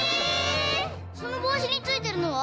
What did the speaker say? そのぼうしについてるのは？